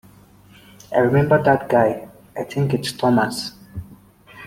I remember that guy, I think it's Thomas.